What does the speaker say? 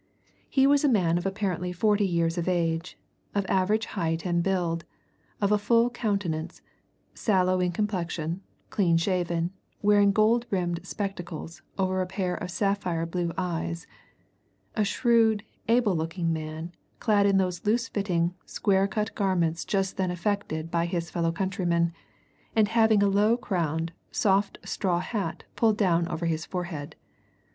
He was a man of apparently forty years of age, of average height and build, of a full countenance, sallow in complexion, clean shaven, wearing gold rimmed spectacles over a pair of sapphire blue eyes a shrewd, able looking man, clad in the loose fitting, square cut garments just then affected by his fellow countrymen, and having a low crowned, soft straw hat pulled down over his forehead.